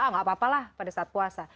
nggak apa apa lah pada saat puasa